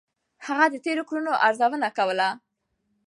هغه د تېرو کړنو ارزونه کوله.